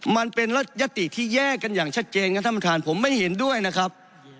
มันเป็นยติที่แยกกันอย่างชัดเจนครับท่านประธานผมไม่เห็นด้วยนะครับ